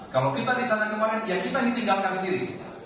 kalau kita di sana kemarin ya kita ditinggalkan sendiri